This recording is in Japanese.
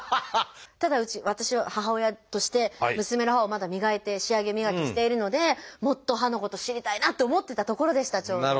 ただ私は母親として娘の歯をまだ磨いて仕上げ磨きしているのでもっと歯のこと知りたいなって思ってたところでしたちょうど。